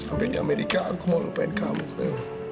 sampai di amerika aku mau lupain kamu cleo